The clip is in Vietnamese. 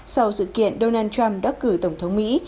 sau sự kiện donald trump đã cử tổng thống mỹ